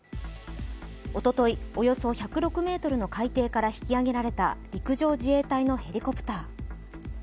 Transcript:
おととい、およそ１０６ｍの海底から引き揚げられた陸上自衛隊のヘリコプター。